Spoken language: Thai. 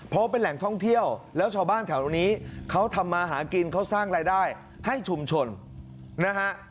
เพราะเป็นแหล่งท่องเที่ยวแล้วชาวบ้านแถวนี้เขาทำมาหากินเขาสร้างรายได้ให้ชุมชนนะฮะ